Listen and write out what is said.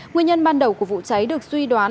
nguyên nhân ban đầu của vụ cháy được suy đoán